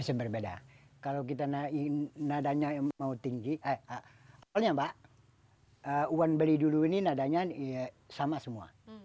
bisa berbeda kalau kita ingin nadanya yang mau tinggi eh awalnya pak wan beli dulu ini nadanya sama semua